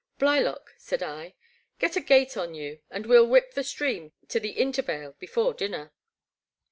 '* Blylock, '* said I, get a gait on you, and we '11 whip the stream to the Intervale before dinner.